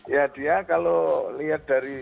ya dia kalau lihat dari